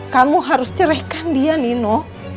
kamu harus cerehkan dia nino